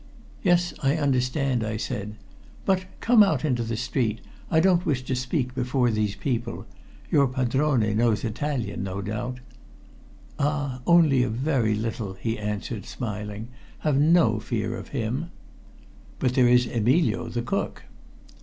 "Yes, I understand," I said. "But come out into the street. I don't wish to speak before these people. Your padrone knows Italian, no doubt." "Ah! only a very little," he answered, smiling. "Have no fear of him." "But there is Emilio, the cook?"